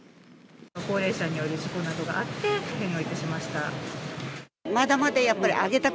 高齢者による事故などがあって返納いたしました。